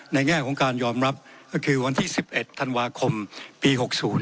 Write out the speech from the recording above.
แง่ของการยอมรับก็คือวันที่๑๑ธันวาคมปี๖๐